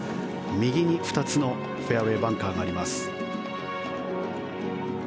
右に２つのフェアウェーバンカーがあります。